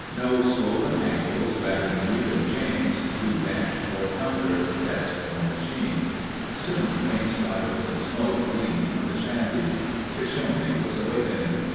No swollen ankles dragging muted chains to bench or counter, desk or machine. Soon faint spirals of smoke leaned from the shanties. Shoshone was awakening.